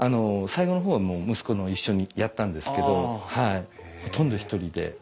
最後の方は息子も一緒にやったんですけどほとんど一人で。